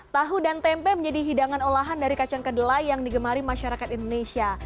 tahu dan tempe menjadi hidangan olahan dari kacang kedelai yang digemari masyarakat indonesia